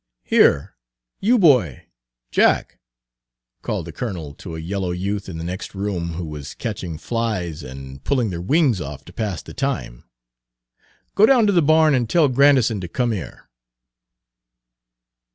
Here, you boy Jack," called the colonel to a yellow youth in the next room who was catching flies and pulling their wings off to pass the time, "go down to the barn and tell Grandison to come here."